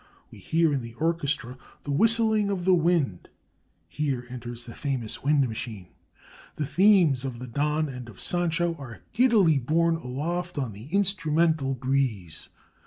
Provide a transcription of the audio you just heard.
We hear in the orchestra the whistling of the wind (here enters the famous "wind machine"); the themes of the Don and of Sancho are giddily borne aloft on the instrumental breeze.